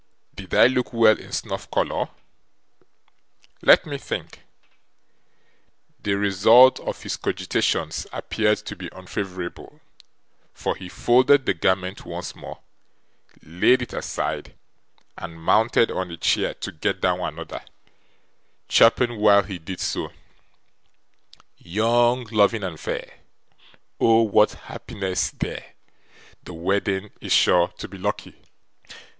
'Did I look well in snuff colour? Let me think.' The result of his cogitations appeared to be unfavourable, for he folded the garment once more, laid it aside, and mounted on a chair to get down another, chirping while he did so: Young, loving, and fair, Oh what happiness there! The wedding is sure to be lucky!